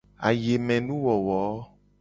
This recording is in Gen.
Ayemenuwowo.